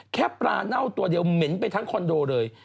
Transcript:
แค่ปลาเน่าตัวเดียวเหม็นไปทั้งคอนโดเลย